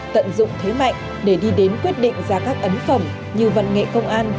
tận dụng thế mạnh để đi đến quyết định ra các ấn phẩm như văn nghệ công an